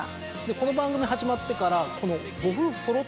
この番組始まってから。